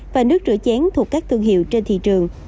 và nước rửa chén thuộc các thương hiệu trên thị trường